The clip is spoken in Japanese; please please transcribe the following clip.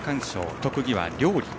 特技は料理。